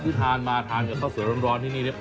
ทานมาทานกับข้าวสวยร้อนที่นี่เนี่ย